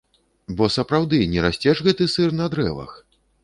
Бо сапраўды, не расце ж гэты сыр на дрэвах?